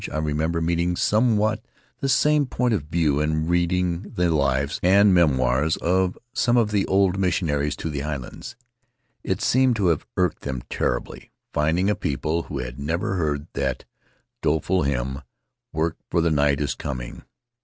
I remember meeting somewhat the same point of view in reading the lives and memoirs of some of the old missionaries to the islands. It seems to have irked them terribly, finding a people who had never heard that doleful hymn, "Work, for the Night Is Coming."